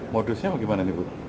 modusnya bagaimana ibu